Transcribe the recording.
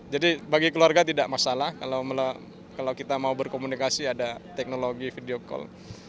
jadi bagi keluarga tidak masalah kalau kita mau berkomunikasi ada teknologi video call